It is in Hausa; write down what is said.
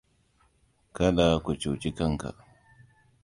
Kada ka cuci kanka.